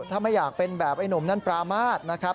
ถ้าไม่อยากเป็นแบบไอ้หนุ่มนั่นปรามาทนะครับ